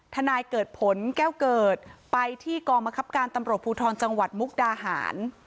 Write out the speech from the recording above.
นายเกิดผลแก้วเกิดไปที่กองบังคับการตำรวจภูทรจังหวัดมุกดาหาร